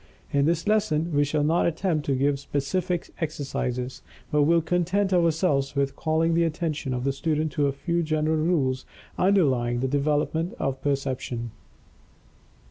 In this lesson we shall not attempt to give specific exercises, but will content ourselves with calling the attention of the student to a few general rules underlying the development of Perception.